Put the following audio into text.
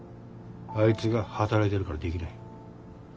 あいつが働いてるからできない。